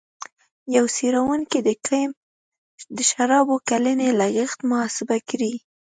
یوه څېړونکي د کیم د شرابو کلنی لګښت محاسبه کړی.